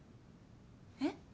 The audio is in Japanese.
えっ？